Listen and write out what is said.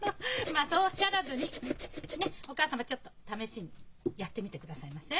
まあそうおっしゃらずにねっお母様ちょっと試しにやってみてくださいませ。